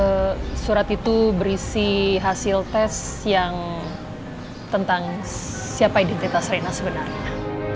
kalau surat itu berisi hasil tes yang tentang siapa identitas rena sebenarnya